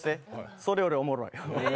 それよりおもろい。